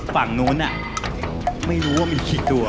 ฝั่งนู้นไม่รู้ว่ามีกี่ตัว